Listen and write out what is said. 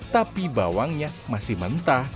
tapi bawangnya masih berubah